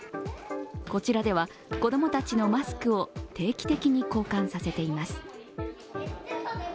こちらでは、子供たちのマスクを定期的に交換させています。